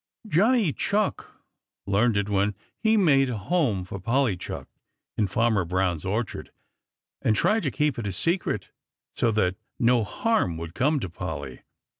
Johnny Chuck learned it when he made a home for Polly Chuck in Farmer Brown's orchard, and tried to keep it a secret, so that no harm would come to Polly.